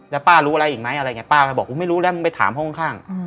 แล้วป้ารู้อะไรอีกไหมอะไรไงป้าก็บอกกูไม่รู้แล้วมึงไปถามห้องข้าง